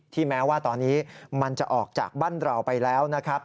แม้ว่าตอนนี้มันจะออกจากบ้านเราไปแล้วนะครับ